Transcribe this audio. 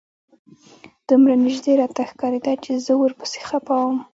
دومره نژدې راته ښکارېده چې زه ورپسې خپه وم.